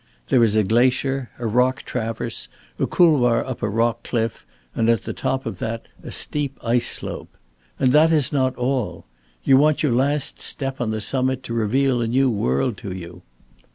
There is a glacier, a rock traverse, a couloir up a rock cliff, and at the top of that a steep ice slope. And that is not all. You want your last step on to the summit to reveal a new world to you.